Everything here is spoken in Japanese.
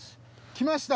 きました！